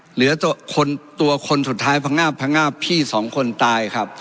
เหลือตัวคนตัวคนสุดท้ายพังงาบพังงาบพี่สองคนตายครับ